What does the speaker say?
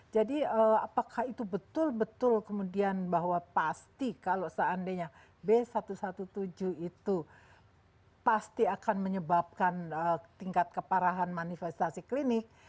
jadi apakah itu betul betul kemudian bahwa pasti kalau seandainya b satu ratus tujuh belas itu pasti akan menyebabkan tingkat keparahan manifestasi klinik